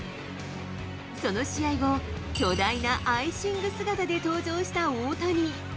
その試合後、巨大なアイシング姿で登場した大谷。